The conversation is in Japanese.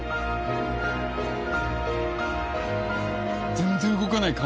全然動かない顔。